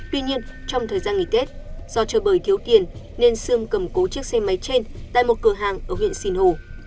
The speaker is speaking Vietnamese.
tuy nhiên trong thời gian nghỉ tết do trợ bời thiếu tiền nên sương cầm cố chiếc xe máy trên tại một cửa hàng ở huyện sinh hồ